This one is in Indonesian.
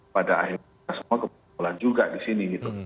pada akhirnya kita semua kebetulan juga disini gitu